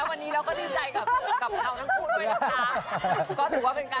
เข้าให้ต้องมารู้กัน